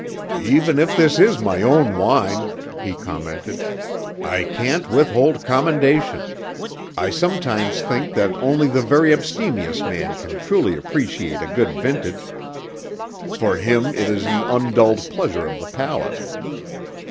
"Even if this is my own wine," he commented, "I can't withhold commendation. I sometimes think that only the very abstemious man can truly appreciate a good vintage. For him it is an undulled pleasure of the palate."